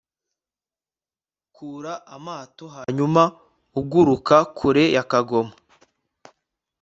kura amato hanyuma uguruka kure ya kagoma